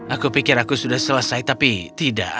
aku pikir aku sudah selesai tapi tidak